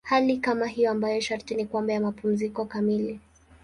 Hali kama hiyo ambayo sharti ni kwamba ya mapumziko kamili.